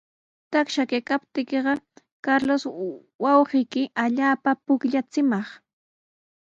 Taksha kaptiiqa Carlos wawqiimi allaapa pukllachimaq.